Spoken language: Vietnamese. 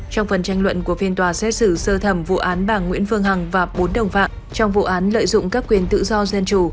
trong phần tranh luận của phiên tòa xét xử sơ thẩm vụ án bà nguyễn phương hằng và bốn đồng phạm trong vụ án lợi dụng các quyền tự do dân chủ